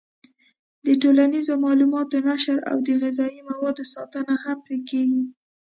د ټولنیزو معلوماتو نشر او د غذایي موادو ساتنه هم پرې کېږي.